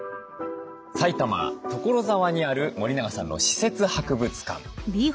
埼玉・所沢にある森永さんの私設博物館。